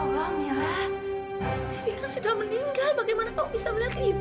livi kan sudah meninggal bagaimana aku bisa melihat livi